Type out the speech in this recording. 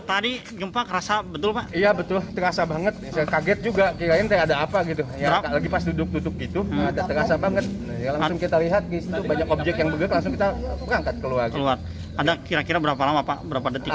ada berapa lama pak berapa detik